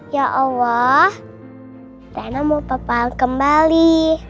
ya allah lena mau papaang kembali